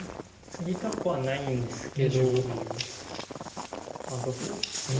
ツギたくはないんですけどどこ打つか。